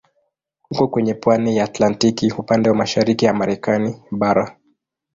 Uko kwenye pwani ya Atlantiki upande wa mashariki ya Marekani bara.